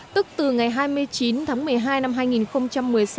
tức từ ngày hai mươi chín tháng một mươi hai năm hai nghìn một mươi sáu